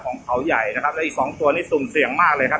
ของเขาใหญ่นะครับและอีกสองตัวนี้สุ่มเสี่ยงมากเลยครับ